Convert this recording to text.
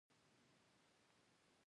خو هڅه کول زموږ دنده ده.